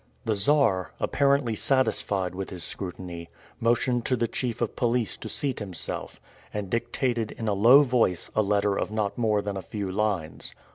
The Czar, apparently satisfied with his scrutiny, motioned to the chief of police to seat himself, and dictated in a low voice a letter of not more than a few lines.